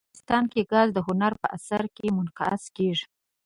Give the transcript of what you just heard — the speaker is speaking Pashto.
افغانستان کې ګاز د هنر په اثار کې منعکس کېږي.